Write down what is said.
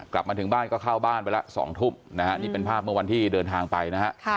กลับมาถึงบ้านก็เข้าบ้านไปแล้ว๒ทุ่มนะฮะนี่เป็นภาพเมื่อวันที่เดินทางไปนะฮะ